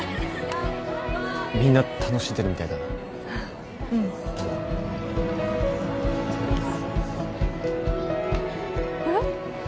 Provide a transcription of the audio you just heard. みんな楽しんでるみたいだなうんあれ？